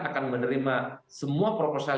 akan menerima semua proposal